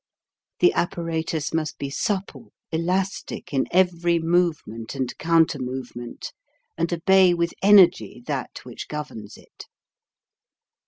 The apparatus must be supple, elastic in every movement and counter movement, and obey with energy that which governs it.